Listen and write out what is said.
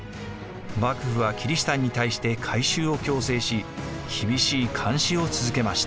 幕府はキリシタンに対して改宗を強制し厳しい監視を続けました。